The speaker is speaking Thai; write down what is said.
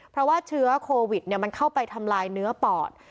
เพราะว่าเชื้อโควิดมันเข้าไปทำลายเนื้อปอด